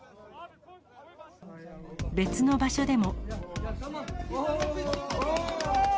別の場所でも。